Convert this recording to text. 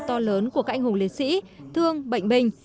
to lớn của các anh hùng liệt sĩ thương bệnh bình